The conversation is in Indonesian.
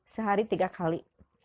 sehari tiga kali